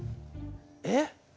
えっ？